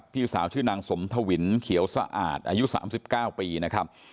ผู้สายชื่อนางสมธวินเขียวสะอาดอายุ๓๙ปี